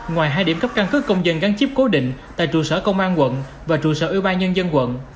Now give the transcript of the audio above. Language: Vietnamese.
ngoài hai điểm cấp căn cứ công dân gắn chiếp cố định tại trụ sở công an quận và trụ sở ưu ba nhân dân quận